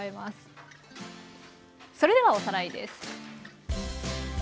それではおさらいです。